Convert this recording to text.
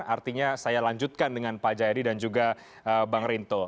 artinya saya lanjutkan dengan pak jayadi dan juga bang rinto